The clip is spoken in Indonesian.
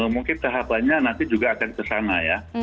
mungkin tahap lainnya nanti juga akan kesana ya